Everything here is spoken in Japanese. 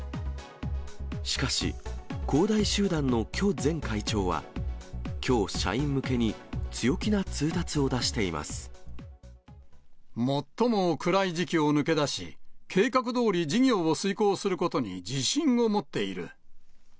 しかし、恒大集団の許前会長は、きょう、社員向けに強気な通達を出していもっとも暗い時期を抜け出し、計画どおり事業を遂行することに自信を持っている。